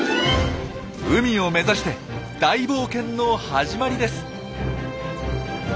海を目指して大冒険の始まりです。